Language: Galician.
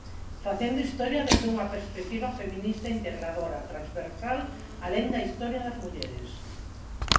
Facendo Historia desde unha perspectiva feminista integradora, transversal, alén da "Historia das mulleres".